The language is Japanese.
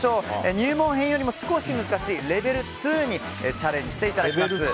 入門編よりも少し難しいレベル２にチャレンジしていただきます。